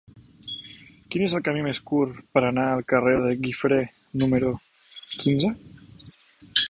Quin és el camí més curt per anar al carrer de Guifré número quinze?